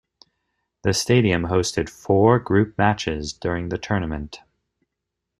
The stadium hosted four Group matches during the tournament.